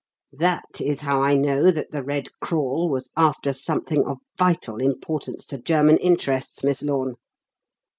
That is how I know that 'The Red Crawl' was after something of vital importance to German interests, Miss Lorne.